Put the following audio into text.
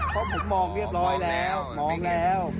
เพราะผมมองเรียบร้อยแล้วมองแล้ว